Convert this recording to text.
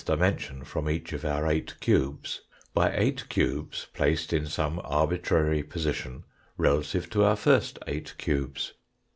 dimension from each of our eight cubes, by eight cubes placed in some arbitrary position relative to our first eight cubes.